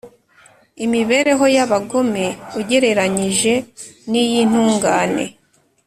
Imibereho y’abagome ugereranyije n’iy’intungane